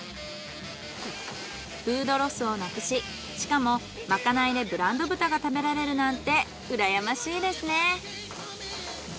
フードロスをなくししかもまかないでブランド豚が食べられるなんてうらやましいですね。